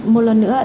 một lần nữa ạ